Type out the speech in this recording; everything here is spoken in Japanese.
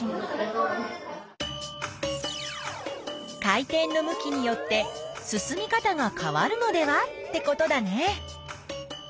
回転の向きによって進み方が変わるのではってことだね。